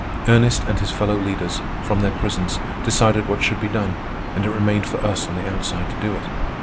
Ernest and his fellow leaders, from their prisons, decided what should be done; and it remained for us on the outside to do it.